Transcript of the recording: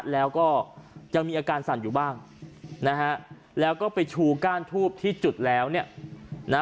แล้วก็ยังมีอาการสั่นอยู่บ้างนะฮะแล้วก็ไปชูก้านทูบที่จุดแล้วเนี่ยนะ